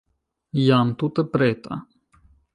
Jam tute preta.